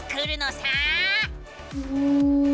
うん。